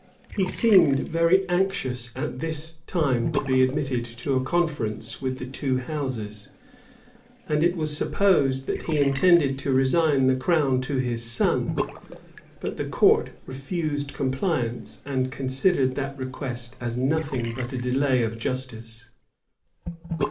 He seemed very anxious at this time to be admitted to a conference with the two houses; and it was supposed, that he intended to resign the crown to his son: but the court refused compliance, and considered that request as nothing but a delay of justice.